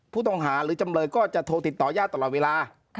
ผู้ต้องหาหรือจำเลยก็จะโทรติดต่อญาติตลอดเวลา